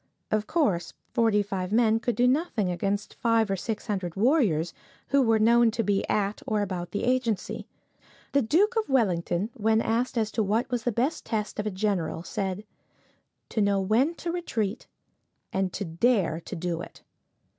Of course, forty five men could do nothing against five or six hundred warriors, who were known to be at or about the agency. The Duke of Wellington, when asked as to what was the best test of a general, said, "To know when to retreat, and to dare to do it."